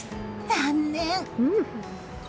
残念。